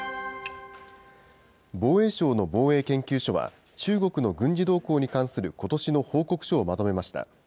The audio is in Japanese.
防衛省の防衛研究所は、中国の軍事動向に関することしの報告書をまとめました。